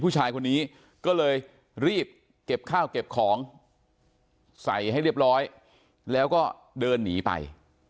ผู้ชายคนนี้ก็เลยรีบเก็บข้าวเก็บของใส่ให้เรียบร้อยแล้วก็เดินหนีไป